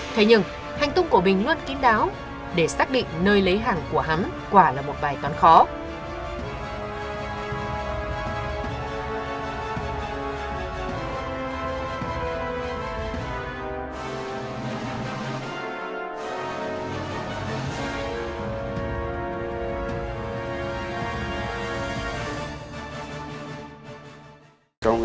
thế nhưng hành tung của bình luôn kiến đáo để xác định nơi lấy hàng của hắn quả là một bài toán khó